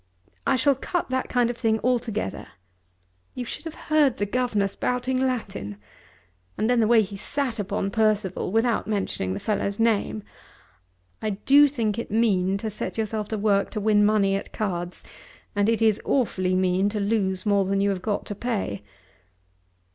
I shall cut that kind of thing altogether. You should have heard the governor spouting Latin! And then the way he sat upon Percival, without mentioning the fellow's name! I do think it mean to set yourself to work to win money at cards, and it is awfully mean to lose more than you have got to pay.